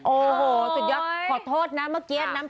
โอ้้วทุกท่อนขอโทษนะ